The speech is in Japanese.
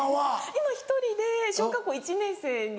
今１人で小学校１年生に。